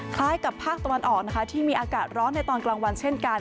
คล้ายกับภาคตะวันออกนะคะที่มีอากาศร้อนในตอนกลางวันเช่นกัน